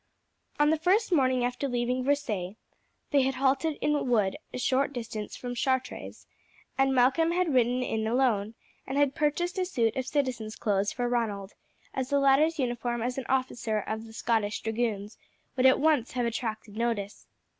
On the first morning after leaving Versailles they had halted in wood a short distance from Chartres, and Malcolm had ridden in alone and had purchased a suit of citizen's clothes for Ronald, as the latter's uniform as an officer of the Scotch Dragoons would at once have attracted notice.